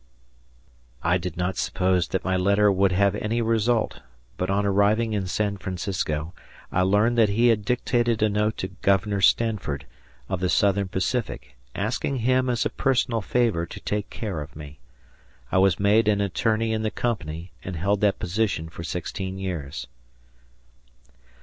I did not suppose that my letter would have any result, but on arriving in San Francisco, I learned that he had dictated a note to Governor Stanford, of the Southern Pacific, asking him, as a personal favor, to take care of me. I was made an attorney in the company and held that position for sixteen years.